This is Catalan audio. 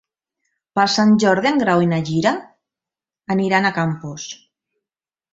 Per Sant Jordi en Grau i na Gina aniran a Campos.